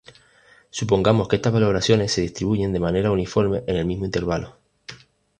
Supongamos que estas valoraciones se distribuyen de manera uniforme en el mismo intervalo.